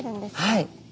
はい。